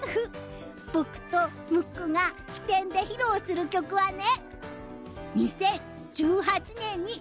僕とムックが飛天で披露する曲はね。